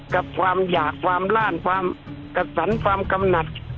กับความอยากความล่านความกระสันความกำหนัก